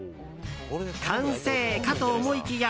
完成かと思いきや